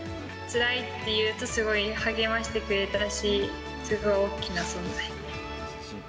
つらいって言うと、すごい励ましてくれたし、すごい大きな存在。